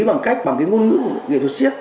bằng cách bằng cái ngôn ngữ nghệ thuật siếc